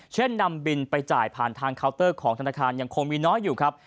เช่นนำบินไปจ่ายผ่านทางเคาน์เตอร์ของธนาคารยังคงมีน้อยอยู่ครับ